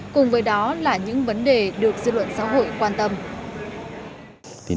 cùng với đó là những vấn đề được dư luận xã hội quan tâm